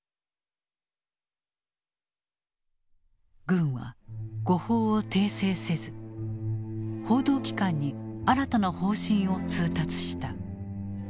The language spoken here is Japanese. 軍は誤報を訂正せず報道機関に新たな方針を通達した。